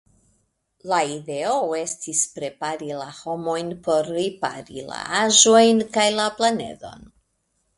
La ideo estis prepari la homojn por ripari la aĵojn kaj la planedon.